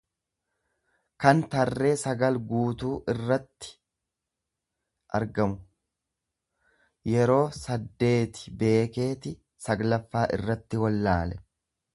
kan tarree sagal guutuu. irratti argamu; Yeroo saddeeti beekeeti, salgaffaa irratti wallâale.